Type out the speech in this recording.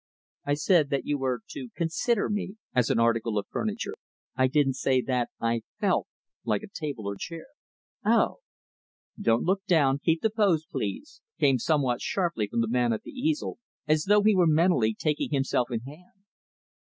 "I said that you were to consider me as an article of furniture. I didn't say that I felt like a table or chair." "Oh!" "Don't look down; keep the pose, please," came somewhat sharply from the man at the easel, as though he were mentally taking himself in hand.